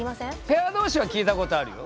ペアどうしは聞いたことあるよ。